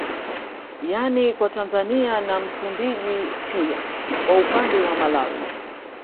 Yani kwa Tanzania na Msumbiji pia kwa upande wa Malawi